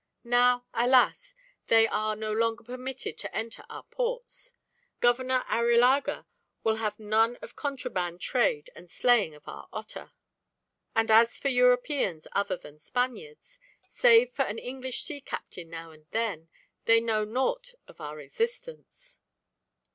Now, alas! they are no longer permitted to enter our ports. Governor Arrillaga will have none of contraband trade and slaying of our otter. And as for Europeans other than Spaniards, save for an English sea captain now and then, they know naught of our existence."